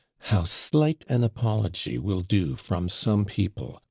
'How slight an apology will do from some people!'